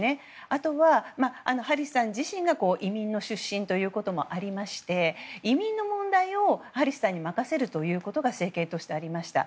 あとは、ハリスさん自身が移民出身ということもありまして移民の問題をハリスさんに任せるということが政権としてありました。